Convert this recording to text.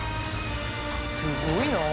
すごいなあ。